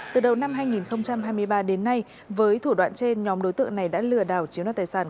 từ đầu năm hai nghìn hai mươi ba đến nay với thủ đoạn trên nhóm đối tượng này đã lừa đảo chiếu đoạt tài sản